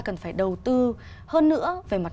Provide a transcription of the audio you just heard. cần phải đầu tư hơn nữa về mặt